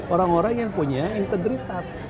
orang orang yang punya integritas